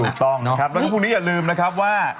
ถูกต้องนะครับแล้วก็พรุ่งนี้อย่าลืมนะครับว่า